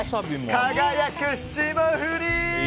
輝く霜降り！